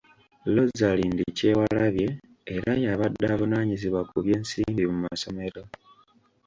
Rosalind Kyewalabye era y'abadde avunaanyizibwa ku by'ensimbi mu masomero.